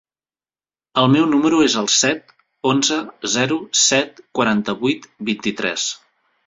El meu número es el set, onze, zero, set, quaranta-vuit, vint-i-tres.